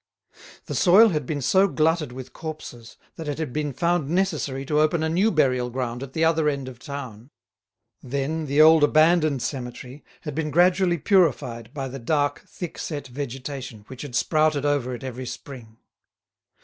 The soil had been so glutted with corpses that it had been found necessary to open a new burial ground at the other end of town. Then the old abandoned cemetery had been gradually purified by the dark thick set vegetation which had sprouted over it every spring.